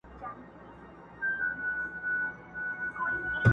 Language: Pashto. ما ددې غرونو په لمنو کي شپېلۍ ږغول،